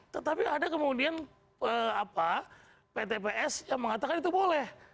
tetapi ada kemudian pt ps yang mengatakan itu boleh